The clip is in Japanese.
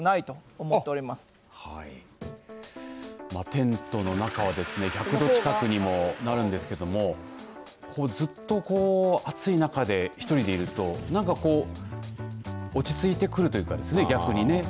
テントの中はですね１００度近くにもなるんですけれどもずっと熱い中で１人でいるとなんかこう落ち着いてくるというか逆にね。